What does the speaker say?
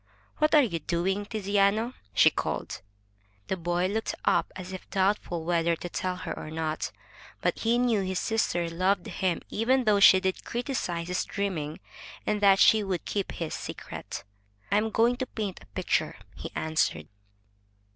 "What are you doing, Tiziano?" she called. The boy looked up as if doubtful whether to tell or not. But he knew his sister loved him even though she did criticize his dreaming, and that she would keep his secret. "I am going to paint a picture,'' he answered.